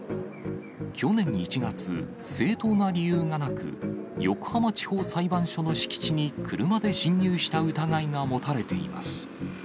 去年１月、正当な理由がなく、横浜地方裁判所の敷地に車で侵入した疑いが持たれています。